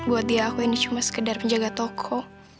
mungkin buat dia aku ini cuma sekedar penjaga toko